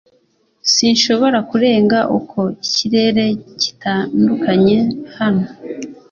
sinshobora kurenga uko ikirere gitandukanye hano